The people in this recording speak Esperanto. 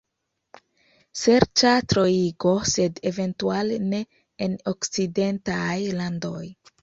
Ŝerca troigo – sed eventuale ne en okcidentaj landoj.